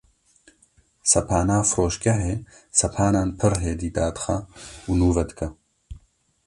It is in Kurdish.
Sepana firoşgehê sepanan pir hêdî dadixe û nûve dike